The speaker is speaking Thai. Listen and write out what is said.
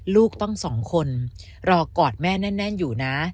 ลูกต้องสองคนรอกอดแม่แน่นอยู่นะ